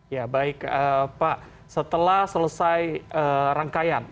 ya baik pak setelah selesai rangkaian